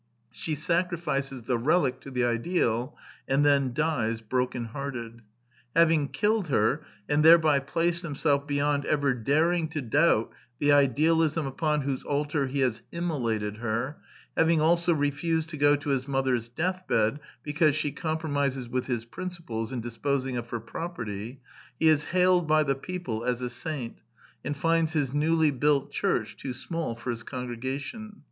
She sacrifices the relic to the ideal, and then dies, broken hearted. Having killed her, and thereby placed himself beyond ever daring to doubt the idealism upon whose altar he has immolated her; having also refused to go to his mother's death bed because she compromises with his principles in disposing of her property, he is hailed by the people as a saint, and finds his newly built church too small for his congregation.